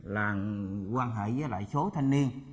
là quan hệ với lại số thanh niên